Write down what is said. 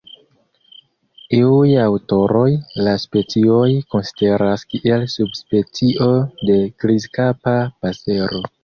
Iuj aŭtoroj la specion konsideras kiel subspecio de Grizkapa pasero.